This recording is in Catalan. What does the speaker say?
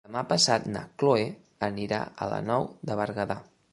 Demà passat na Cloè anirà a la Nou de Berguedà.